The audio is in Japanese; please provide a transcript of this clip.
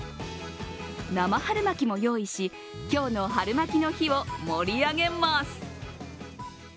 生春巻きも用意し、今日の春巻きの日を盛り上げます。